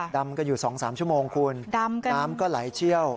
ดำกันอยู่๒๓ชั่วโมงคุณน้ำก็ไหลเชี่ยว